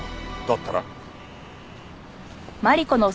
だったら？